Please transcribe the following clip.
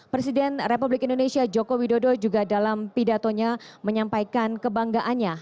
presiden republik indonesia joko widodo juga dalam pidatonya menyampaikan kebanggaannya